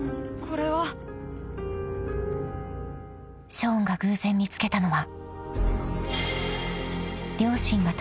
［ショーンが偶然見つけたのは］